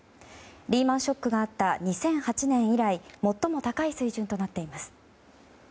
リーマン・ショックがあった２００８年以来最も高い水準となっています。